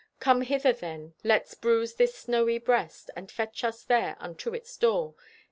Come hither then. Let's bruise this snowy breast, And fetch us there unto its door.